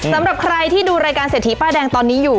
สำหรับใครที่ดูรายการเศรษฐีป้ายแดงตอนนี้อยู่